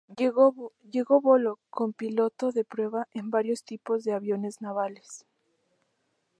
Luego voló como piloto de pruebas en varios tipos de aviones navales.